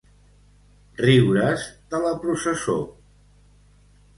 Riure's de la processó.